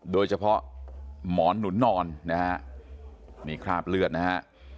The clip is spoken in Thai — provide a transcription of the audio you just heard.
โดยเฉพาะหมอนหนุนนอนนะฮะนี่คราบเลือดนะฮะ